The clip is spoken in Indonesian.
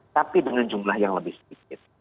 tapi dengan jumlah yang lebih sedikit